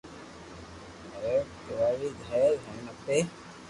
ني کراوي دي ھين اپي